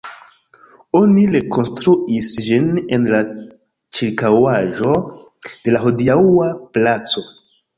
Oni rekonstruis ĝin en la ĉirkaŭaĵo de la hodiaŭa "Placo".